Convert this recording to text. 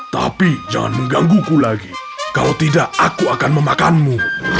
tapi jangan menggangguku lagi kalau tidak aku akan memakanmu